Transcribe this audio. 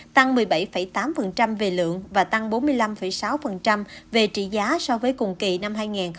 tăng một mươi bảy tám về lượng và tăng bốn mươi năm sáu về trị giá so với cùng kỳ năm hai nghìn một mươi chín